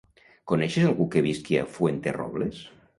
Coneixes algú que visqui a Fuenterrobles?